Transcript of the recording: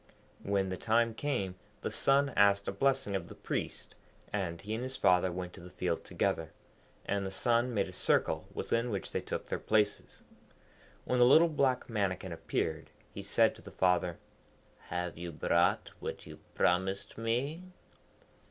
When the time came, the son asked a blessing of the Priest, and he and his father went to the field together; and the son made a circle within which they took their places. When the little black Mannikin appeared, he said to the father, 'Have you brought what you promised me?'